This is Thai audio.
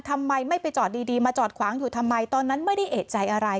ทำไมไม่ไปจอดดีมาจอดขวางอยู่ทำไมตอนนั้นไม่ได้เอกใจอะไร